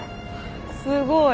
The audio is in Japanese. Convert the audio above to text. すごい。